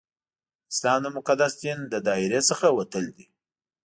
د اسلام د مقدس دین له دایرې څخه وتل دي.